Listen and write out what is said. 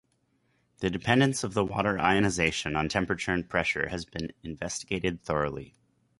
The dependence of the water ionization on temperature and pressure has been investigated thoroughly.